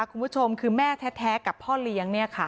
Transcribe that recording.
คุณผู้ชมคือแม่แท้กับพ่อเลี้ยง